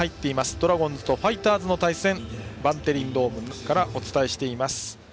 ドラゴンズとファイターズの対戦バンテリンドームからお伝えしています。